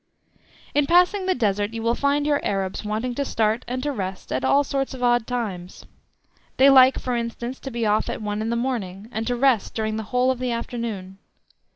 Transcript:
In passing the Desert you will find your Arabs wanting to start and to rest at all sorts of odd times. They like, for instance, to be off at one in the morning, and to rest during the whole of the afternoon.